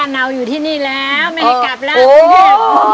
นี่แล้วไม่ได้กลับแล้ว